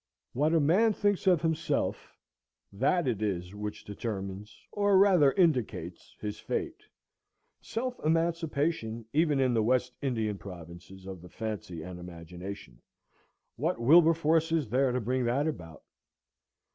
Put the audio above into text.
What a man thinks of himself, that it is which determines, or rather indicates, his fate. Self emancipation even in the West Indian provinces of the fancy and imagination,—what Wilberforce is there to bring that about?